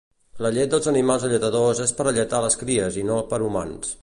La llet dels animals alletadors és per alletar les cries i no per humans